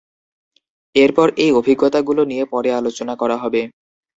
এরপর এই অভিজ্ঞতাগুলো নিয়ে পরে আলোচনা করা হবে।